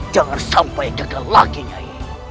jangan sampai gagal lagi nyanyi